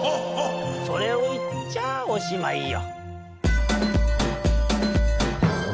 それをいっちゃおしまいよ。